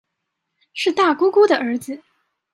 是大姑姑的兒子